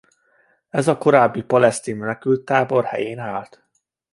Ez a korábbi palesztin menekülttábor helyén állt.